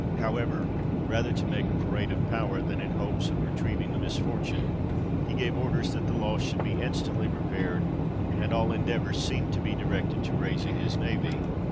However, rather to make a parade of power, than in hope of retrieving the misfortune, he gave orders that the loss should be instantly repaired, and all endeavours seemed to be directed to raising his navy.